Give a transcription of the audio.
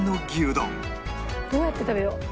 どうやって食べよう？